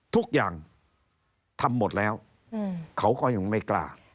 ทุกอย่างทำหมดแล้วเขาก็ยังไม่กล้า